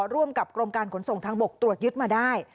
ร่วมกับกรมการขนส่งทางบกตรวจยึดมาได้